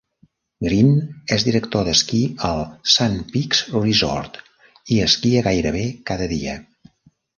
Greene és director d'esquí al Sun Peaks Resort i esquia gairebé cada dia.